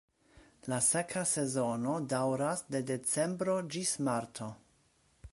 La seka sezono daŭras de decembro ĝis marto.